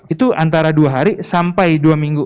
itu antara dua hari sampai dua minggu